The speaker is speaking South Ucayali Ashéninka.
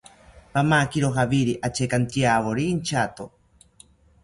Pamakiro jawiri achekantyawori inchato